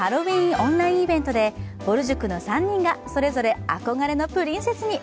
オンラインイベントでぼる塾の３人がそれぞれ憧れのプリンセスに。